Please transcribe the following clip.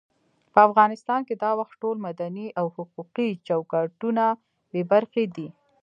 په افغانستان کې دا وخت ټول مدني او حقوقي چوکاټونه بې برخې دي.